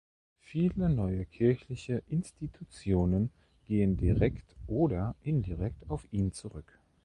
Viele neue kirchliche Institutionen gehen direkt oder indirekt auf ihn zurück.